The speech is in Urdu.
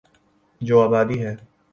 جو آبادی ہے۔